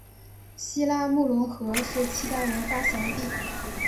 西拉木伦河是契丹人发祥地。